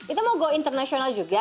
itu mau go internasional juga